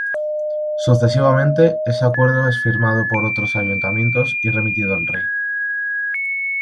Sucesivamente, ese acuerdo es firmado por otros ayuntamientos y remitido al rey.